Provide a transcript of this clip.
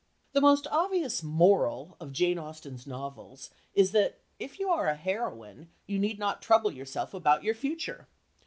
The most obvious "moral" of Jane Austen's novels is that if you are a heroine you need not trouble yourself about your future.